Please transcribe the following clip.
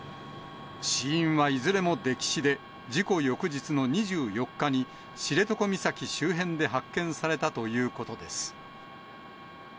死因はいずれも溺死で、事故翌日の２４日に、知床岬周辺で発見されたということです。